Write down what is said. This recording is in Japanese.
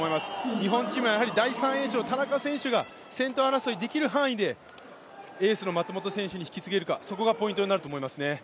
日本チームは第３泳者の田中選手が先頭争いできる範囲でエースの松元選手に引き継げるか、そこがポイントになると思いますね。